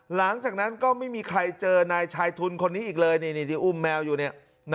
หลังจากนั้นก็ไม่มีใครเจอนายชายทุนคนนี้อีกเลยนี่ที่อุ้มแมวอยู่เนี่ย